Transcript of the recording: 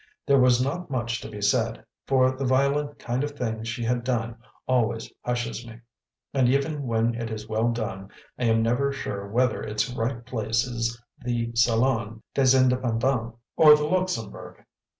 There was not much to be said, for the violent kind of thing she had done always hushes me; and even when it is well done I am never sure whether its right place is the "Salon des Independants" or the Luxembourg.